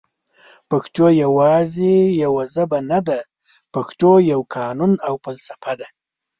پښتو یواځي یوه ژبه نده پښتو یو قانون او فلسفه ده